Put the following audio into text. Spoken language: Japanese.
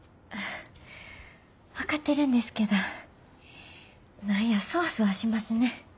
分かってるんですけど何やソワソワしますね。